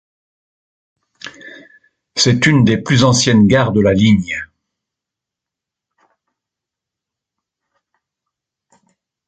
C'est une des plus anciennes gare de la ligne.